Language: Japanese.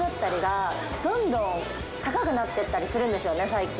最近。